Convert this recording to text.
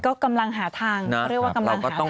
ก็กำลังหาทางเขาเรียกว่ากำลังหาทาง